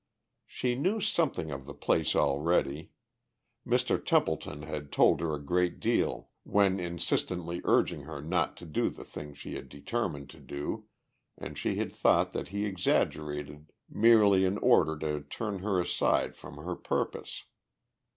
She knew something of the place already. Mr. Templeton had told her a great deal when insistently urging her not to do the thing she had determined to do and she had thought that he exaggerated merely in order to turn her aside from her purpose.